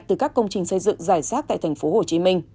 từ các công trình xây dựng giải rác tại tp hcm